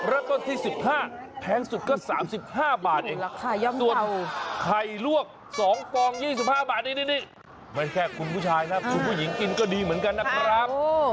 เริ่มต้นที่๑๕แพงสุดก็๓๕บาทเองส่วนไข่ลวก๒ฟอง๒๕บาทนี้นี่มันแค่คุณผู้ชายนะคุณผู้หญิงกินก็ดีเหมือนกันนะครับ